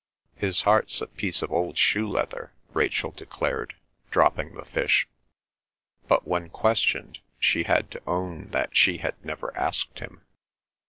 "His heart's a piece of old shoe leather," Rachel declared, dropping the fish. But when questioned she had to own that she had never asked him.